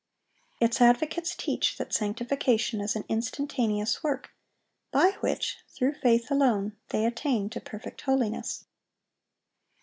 Its advocates teach that sanctification is an instantaneous work, by which, through faith alone, they attain to perfect holiness.